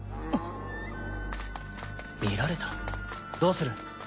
見られたどうする？